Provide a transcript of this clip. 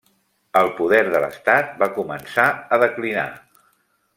El poder de l'estat va començar a declinar.